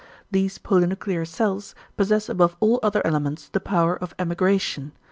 These polynuclear cells possess above all other elements the power of emigration.